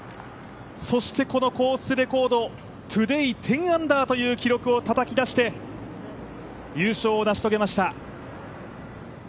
そして、このコースレコード、トゥデー１０アンダーという記録をたたき出して、優勝を成し遂げました。